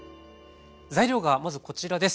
材料がまずこちらです。